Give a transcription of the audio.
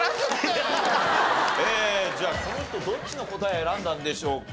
じゃあこの人どっちの答え選んだんでしょうか？